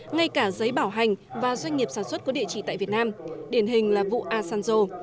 ngay cả giấy bảo hành và doanh nghiệp sản xuất có địa chỉ tại việt nam điển hình là vụ asanzo